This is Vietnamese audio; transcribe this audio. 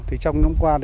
trong năm qua